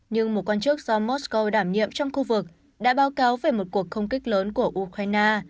nhưng một quan chức do mosco đảm nhiệm trong khu vực đã báo cáo về một cuộc không kích lớn của ukraine